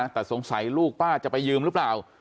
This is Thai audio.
แต่สงสัยลูกป้าจะไปยืมหรือเปล่า